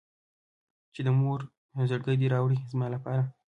چې د مور زړګی دې راوړي زما لپاره.